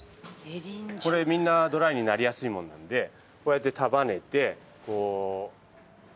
これみんなドライになりやすいものなのでこうやって束ねてこう乾かして。